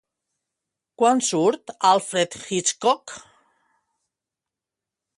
Quan surt Alfred Hitchcock?